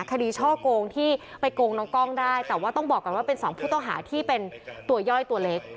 ช่อกงที่ไปโกงน้องกล้องได้แต่ว่าต้องบอกก่อนว่าเป็นสองผู้ต้องหาที่เป็นตัวย่อยตัวเล็ก